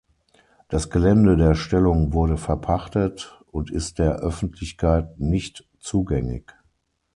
Das Gelände der Stellung wurde verpachtet und ist der Öffentlichkeit nicht zugängig.